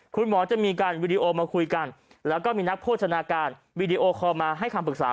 คุณหมอจะมีการวีดีโอมาคุยกันแล้วก็มีนักโภชนาการวีดีโอคอลมาให้คำปรึกษา